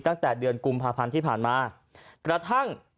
ตั้งแต่เดือนกุมภาพรรณที่ผ่านมา